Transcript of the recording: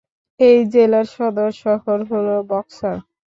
এই জেলার সদর শহর হল বক্সার।